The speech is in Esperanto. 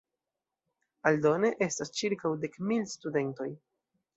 Aldone estas ĉirkaŭ dek mil studentoj.